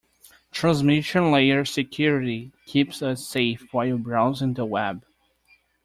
Transmission Layer Security keeps us safe while browsing the web.